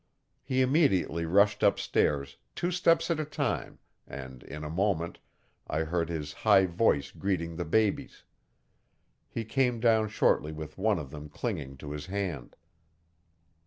He immediately rushed upstairs, two steps at a time, and, in a moment, I heard his high voice greeting the babies. He came down shortly with one of them clinging to his hand.